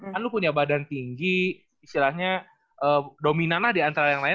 kan lu punya badan tinggi istilahnya dominan lah diantara yang lain